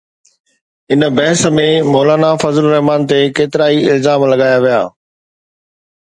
ان بحث ۾ مولانا فضل الرحمان تي ڪيترائي الزام لڳايا ويا.